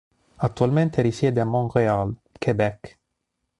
Attualmente risiede a Montréal, Québec.